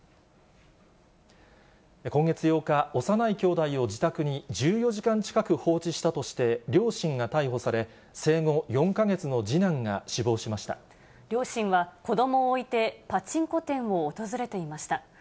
今月８日、幼い兄弟を自宅に１４時間近く放置したとして、両親が逮捕され、両親は、子どもを置いてパチンコ店を訪れていました。